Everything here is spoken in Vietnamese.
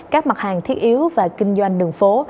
các mặt hàng thiết yếu và kinh doanh đường phố